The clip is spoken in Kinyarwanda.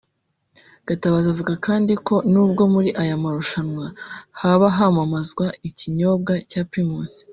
Gatabazi avuga kandi ko n’ubwo muri aya marushanwa haba hamamazwa ikinyobwa cya Primus